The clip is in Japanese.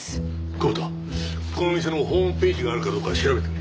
久保田この店のホームページがあるかどうか調べてくれ。